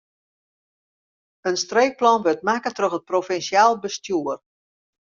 In streekplan wurdt makke troch it provinsjaal bestjoer.